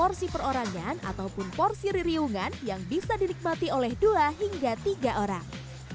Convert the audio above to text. porsi perorangan ataupun porsi ririungan yang bisa dinikmati oleh dua hingga tiga orang